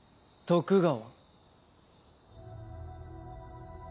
徳川。